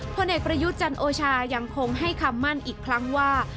ผลเอกประยุทธ์จันโอชายังคงให้คำมั่นอีกครั้งว่า